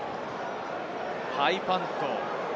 ハイパント。